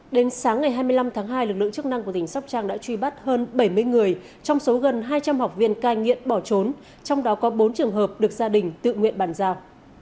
đến sáng ngày hai mươi năm tháng hai lực lượng chức năng của tỉnh sóc trang đã truy bắt hơn bảy mươi người trong số gần hai trăm linh học viên cai nghiện bỏ trốn trong đó có bốn trường hợp được gia đình tự nguyện bàn giao